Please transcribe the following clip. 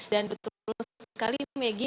dan betul sekali megi